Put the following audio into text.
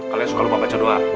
kalian suka lupa baca doa